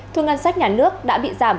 thu ngân sách nhà nước đã bị giảm